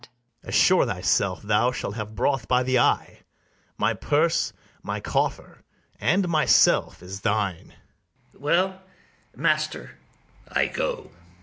] Assure thyself thou shalt have broth by the eye: My purse, my coffer, and myself is thine. ITHAMORE. Well, master, I go.